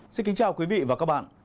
xin kính chào quý vị và các bạn